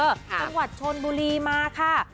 สวัสดิ์ชนบุรีมาค่ะ